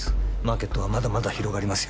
マーケットはまだまだ広がりますよ。